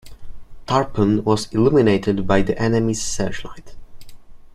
"Tarpon" was illuminated by the enemy's searchlight.